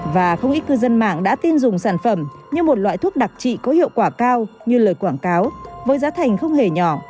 và không ít cư dân mạng đã tin dùng sản phẩm như một loại thuốc đặc trị có hiệu quả cao như lời quảng cáo với giá thành không hề nhỏ